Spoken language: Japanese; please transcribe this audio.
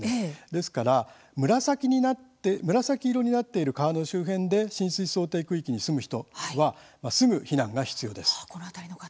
ですから紫色になっている川の周辺で浸水想定区域に住む人はすぐに避難が必要です。